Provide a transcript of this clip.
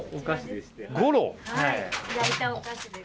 はい焼いたお菓子です。